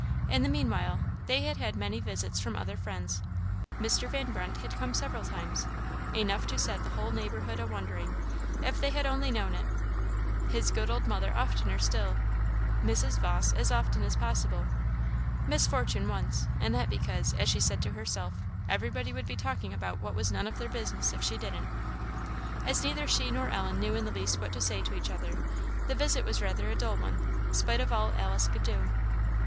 In the meanwhile they had had many visits from other friends. Mr. Van Brunt had come several times, enough to set the whole neighbourhood a wondering, if they had only known it; his good old mother oftener still; Mrs. Vawse as often as possible; Miss Fortune once; and that because, as she said to herself, "Everybody would be talking about what was none of their business if she didn't." As neither she nor Ellen knew in the least what to say to each other, the visit was rather a dull one, spite of all Alice could do.